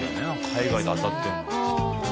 海外で当たってんの。